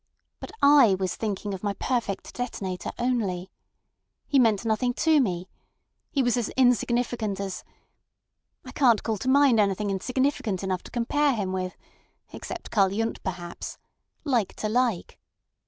But I was thinking of my perfect detonator only. He meant nothing to me. He was as insignificant as—I can't call to mind anything insignificant enough to compare him with—except Karl Yundt perhaps. Like to like.